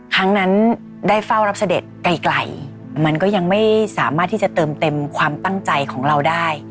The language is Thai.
ครั้งนั้นได้เฝ้ารับเสด็จไกลมันก็ยังไม่สามารถที่จะเติมเต็มความตั้งใจของเราได้